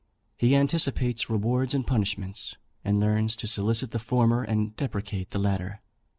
He anticipates rewards and punishments, and learns to solicit the former and deprecate the latter.